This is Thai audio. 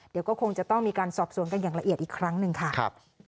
เดี๋ยวก็คงจะต้องมีการสอบสวนกันอย่างละเอียดอีกครั้งหนึ่งค่ะ